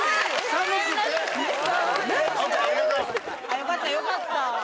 よかったよかった。